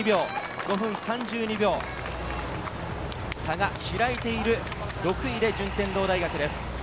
５分３２秒、差が開いている、６区位で順天堂大学です。